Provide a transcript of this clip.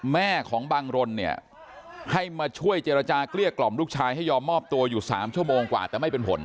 แม่ของบังรนเนี่ยให้มาช่วยเจรจาเกลี้ยกล่อมลูกชายให้ยอมมอบตัวอยู่๓ชั่วโมงกว่าแต่ไม่เป็นผล